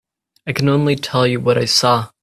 I can only tell you what I saw.